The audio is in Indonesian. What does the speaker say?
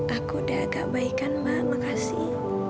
aku udah agak baik kan mbak makasih